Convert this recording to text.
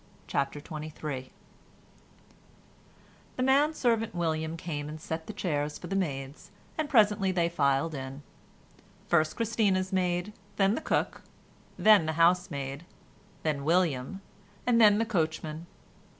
CHAPTER XXIII The man servant William came and set the chairs for the maids, and presently they filed in. First Christina's maid, then the cook, then the housemaid, then William, and then the coachman.